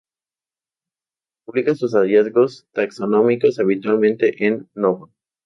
Publica sus hallazgo taxonómicos, habitualmente en Novon.